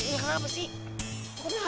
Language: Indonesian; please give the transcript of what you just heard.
ini kenapa sih